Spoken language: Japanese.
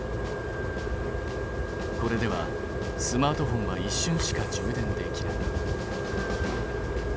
これではスマートフォンは一瞬しか充電できない。